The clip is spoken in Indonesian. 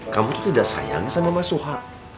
kamu itu tidak sayang sama mas suha